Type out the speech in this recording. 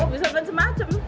oh bisa dengan semacam